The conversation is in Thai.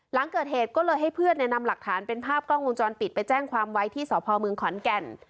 หลังเกิดเหตุก็เลยให้เพื่อนนำหลักฐานเป็นภาพกล้องวงจรปิดไปแจ้งความไว้ที่สพเมืองขอนแก่น